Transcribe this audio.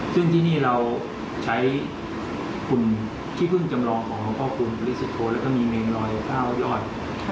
ซึ่งที่นี่เราใช้ภูมิที่เพิ่งจำลองของหลวงพ่อคูณพริสุทธโทษและก็มีแมงลอยป้าวยอด